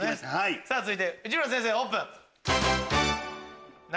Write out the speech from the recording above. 続いて内村先生オープン。